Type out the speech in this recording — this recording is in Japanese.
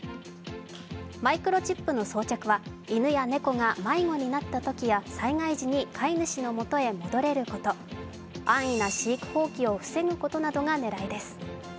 マイクロチップの装着は犬や猫が迷子になったときや災害時に飼い主の元へ戻れること、安易な飼育放棄を防ぐことなどが狙いです。